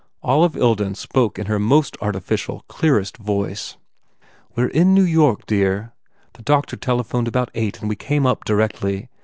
Olive Ilden spoke in her most artificial, clearest voice. "We re in New York, dear. The doctor tele phoned about eight and we came up directly.